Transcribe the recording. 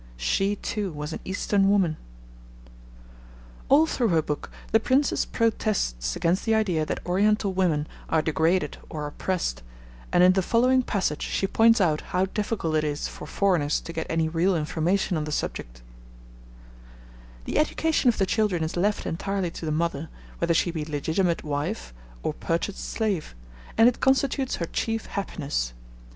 She, too, was an Eastern woman! All through her book the Princess protests against the idea that Oriental women are degraded or oppressed, and in the following passage she points out how difficult it is for foreigners to get any real information on the subject: The education of the children is left entirely to the mother, whether she be legitimate wife or purchased slave, and it constitutes her chief happiness.